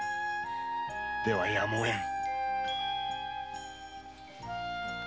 ではやむをえぬ！